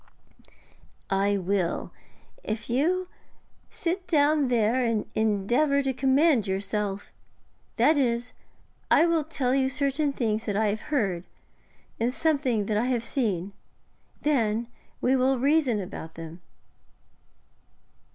'I will, if you sit down there and endeavour to command yourself. That is, I will tell you certain things that I have heard, and something that I have seen. Then we will reason about them.'